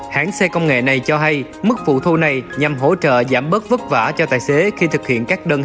hãng xe công nghệ này cho hay mức phụ thu này nhằm hỗ trợ giảm bớt vất vả cho tài xế